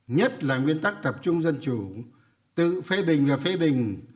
nhất là nguyên tắc tập trung dân chủ tự phê bình và phê bình